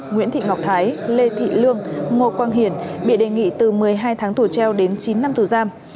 nguyễn thị ngọc thái lê thị lương ngô quang hiển bị đề nghị từ một mươi hai tháng tù treo đến chín năm tù giam